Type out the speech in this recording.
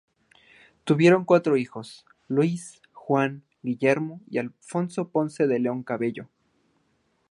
Tuvieron cuatro hijos: Luis, Juan, Guillermo y Alfonso Ponce de León Cabello.